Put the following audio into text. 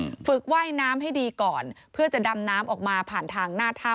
ฝึกว่ายน้ำให้ดีก่อนเพื่อจะดำน้ำออกมาผ่านทางหน้าถ้ำ